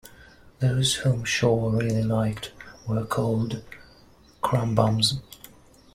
Those whom Shor really liked were called "crum-bums".